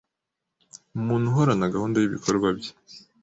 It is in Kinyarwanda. Umuntu uhorana gahunda y’ibikorwa bye